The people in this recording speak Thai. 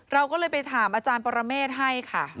เราก็เลยไปถามอาจารย์ปรเมฆให้ค่ะ